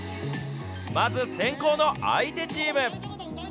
まず先攻の相手チーム。